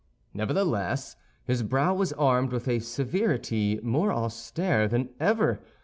Nevertheless, his brow was armed with a severity more austere than ever.